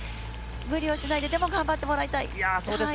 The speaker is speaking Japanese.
無理をしないで、でも頑張ってもらいたい。